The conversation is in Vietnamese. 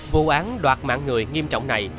vụ án đoạt mạng người nghiêm trọng này